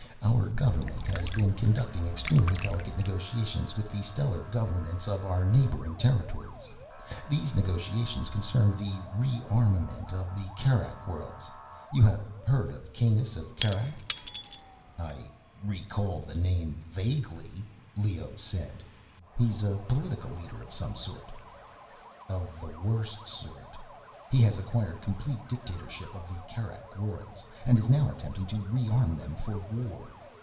Our Government has been conducting extremely delicate negotiations with the stellar governments of our neighboring territories. These negotiations concern the rearmaments of the Kerak Worlds. You have heard of Kanus of Kerak?" "I recall the name vaguely," Leoh said. "He's a political leader of some sort." "Of the worst sort. He has acquired complete dictatorship of the Kerak Worlds, and is now attempting to rearm them for war.